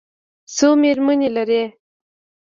څو مېرمنې لري؟